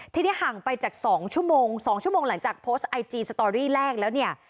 ทีนี้ห่างไปจาก๒ชั่วโมง๒ชั่วโมงหลังจากโพสต์ไอจีสตอรี่แรกแล้วเนี่ย